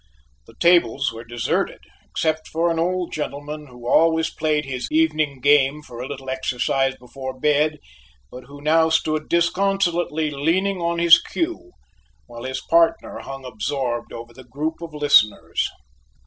The tables were deserted, except for an old gentleman, who always played his "evening game for a little exercise before bed," but who now stood disconsolately leaning on his cue while his partner hung absorbed over the group of listeners.